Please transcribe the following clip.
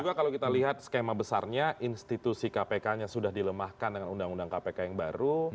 juga kalau kita lihat skema besarnya institusi kpk nya sudah dilemahkan dengan undang undang kpk yang baru